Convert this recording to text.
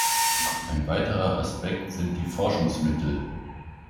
Ein weiterer Aspekt sind die Forschungsmittel.